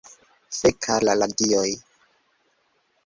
Fek' al la Dioj